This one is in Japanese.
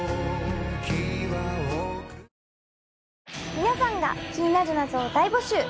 皆さんが気になる謎を大募集。